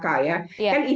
kan itu yang kemudian